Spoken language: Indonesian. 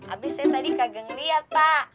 abisnya tadi kagak ngeliat pak